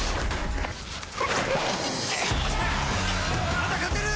まだ勝てる！